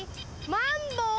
マンボウ。